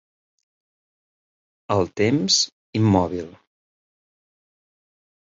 El temps immòbil.